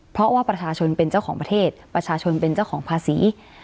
เพราะว่าประชาชนเป็นเจ้าของประเทศประชาชนเป็นเจ้าของภาษี